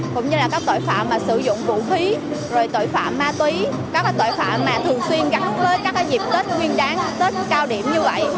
cũng như là các tội phạm mà sử dụng vũ khí rồi tội phạm ma túy các tội phạm mà thường xuyên gắn với các dịp tết nguyên đáng tết cao điểm như vậy